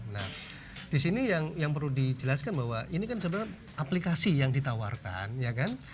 nah di sini yang perlu dijelaskan bahwa ini kan sebenarnya aplikasi yang ditawarkan ya kan